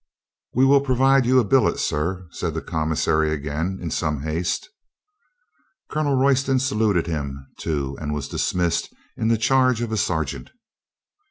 "We will provide you a billet, sir," said the com missary again in some haste. Colonel Royston saluted him, too, and was dis missed in the charge of a sergeant.